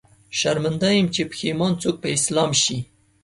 شرمنده يم، چې پښېمان څوک په اسلام شي